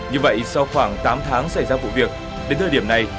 như vậy sau khoảng tám tháng xảy ra vụ việc đến thời điểm này